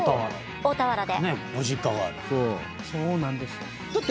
大田原に。